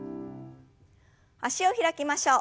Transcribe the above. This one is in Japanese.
脚を開きましょう。